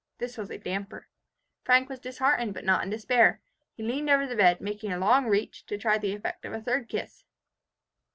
This was a damper. Frank was disheartened, but not in despair. He leaned over the bed, making a long reach, to try the effect of a third kiss.